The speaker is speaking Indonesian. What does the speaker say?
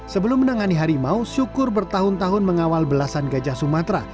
sebelum menangani harimau syukur bertahun tahun mengawal belasan gajah sumatera